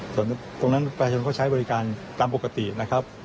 ตรงที่นั่นประธานตรีชนวัตค์ใช้บริการตามปกตินะครับ